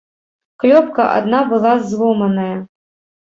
Клёпка адна была зломаная.